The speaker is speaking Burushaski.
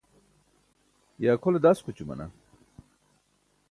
ye akʰole daskućumana?